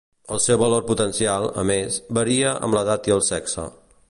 El seu valor potencial, a més, varia amb l'edat i el sexe.